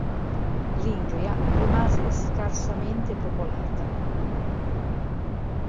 L'Ingria rimase scarsamente popolata.